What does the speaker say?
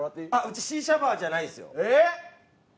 うちシーシャバーじゃないんですよえっ？